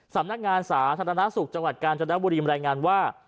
สำนักงานสาธารณสุขจังหวัดกาญจนบุรีรายงานว่า